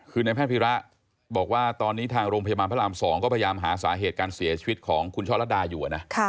คือในแพทย์พิระบอกว่าตอนนี้ทางโรงพยาบาลพระราม๒ก็พยายามหาสาเหตุการเสียชีวิตของคุณช่อระดาอยู่นะ